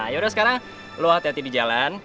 yaudah sekarang lo hati hati di jalan